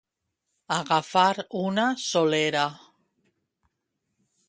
Agafar una sól·lera.